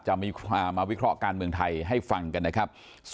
มาวิเคราะห์การเมืองไทยให้ฟังกันนะครับ